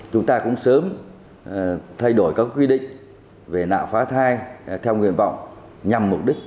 chúng ta cũng sớm thay đổi các quy định về nạo phá thai theo nguyện vọng nhằm mục đích